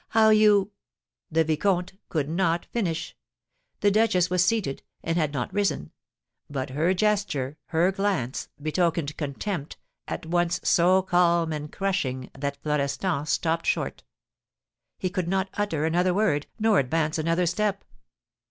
How you " The vicomte could not finish. The duchess was seated, and had not risen; but her gesture, her glance, betokened contempt, at once so calm and crushing that Florestan stopped short. He could not utter another word, nor advance another step.